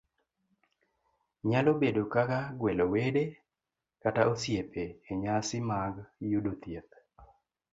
nyalo bedo kaka gwelo wede kata osiepe e nyasi mag yudo thieth,